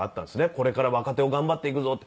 これから若手を頑張っていくぞって。